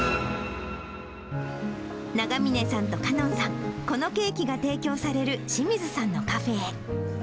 永峰さんとかのんさん、このケーキが提供される志水さんのカフェへ。